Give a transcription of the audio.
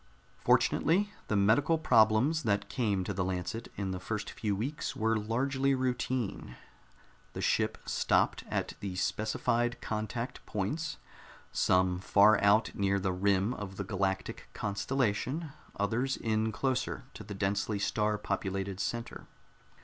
Fortunately, the medical problems that came to the Lancet in the first few weeks were largely routine. The ship stopped at the specified contact points some far out near the rim of the galactic constellation, others in closer to the densely star populated center.